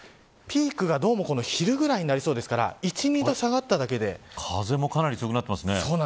ピークが、どうも昼ぐらいとなりそうですから１、２度下がっただけで風も強くなっていますね。